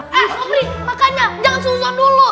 eh sobri makanya jangan susun dulu